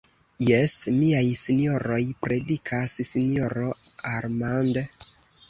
Jes, miaj sinjoroj, predikas sinjoro Armand.